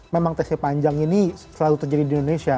memang tesnya panjang ini selalu terjadi di indonesia